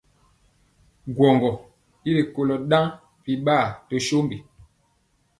Gwɔŋgɔ i kolo ɗaŋ biɓaa to sombi.